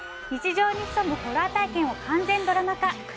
日常に潜むホラー体験を完全ドラマ化。